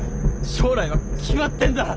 将来は決まってんだ。